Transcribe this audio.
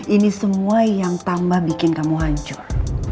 ini semua yang tambah bikin kamu hancur